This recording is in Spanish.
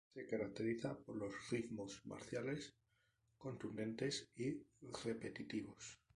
Se caracteriza por los ritmos marciales, contundentes y repetitivos.